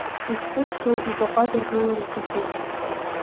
Иԥсы шҭоу ибаҟа дыргылар иҭахуп.